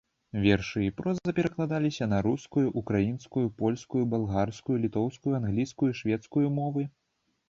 Вершы і проза перакладаліся на рускую, украінскую, польскую, балгарскую, літоўскую, англійскую і шведскую мовы.